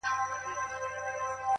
ستا خيال وفكر او يو څو خـــبـــري ـ